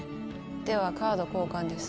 ではカード交換です。